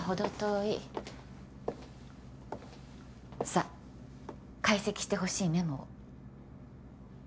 さあ解析してほしいメモを。